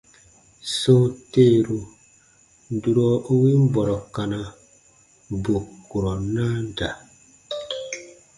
Sɔ̃ɔ teeru, durɔ u win bɔrɔ kana, bù kurɔ naa da.